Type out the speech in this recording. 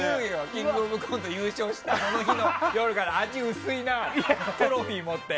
「キングオブコント」優勝したあの時の夜から味、薄いな！って。